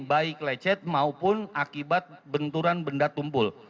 baik lecet maupun akibat benturan benda tumpul